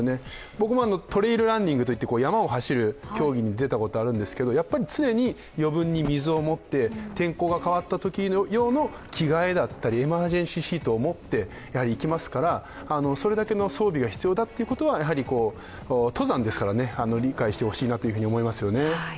僕もトレールランニングといって、山を登る競技に出たことがあるんですけどやっぱり常に余分に水を持って天候が変わったとき用の着替えだったり、エマージェンシーシートを持っていきますからそれだけの装備が必要なことはやはり登山ですから理解してほしいなと思いますよね。